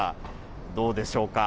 どうでしょうか。